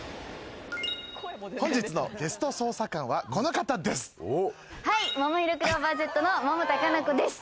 本日のゲスト捜査官は、この方です。